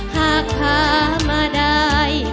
หากพามาได้